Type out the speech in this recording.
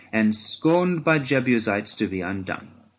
And scorned by Jebusites to be outdone.